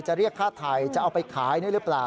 เรียกค่าไทยจะเอาไปขายนี่หรือเปล่า